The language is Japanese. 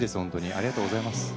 ありがとうございます。